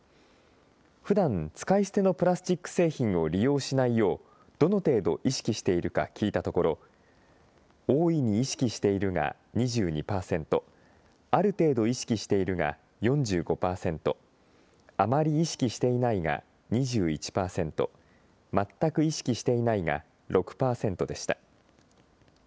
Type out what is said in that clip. ふだん、使い捨てのプラスチック製品を利用しないよう、どの程度意識しているか聞いたところ、大いに意識しているが２２％、ある程度意識しているが４５％、あまり意識していないが２１％、全く意識していないが６％でした。